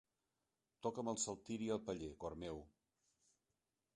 Toca'm el saltiri al paller, cor meu.